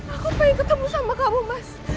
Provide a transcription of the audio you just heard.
aku ingin bertemu kamu mas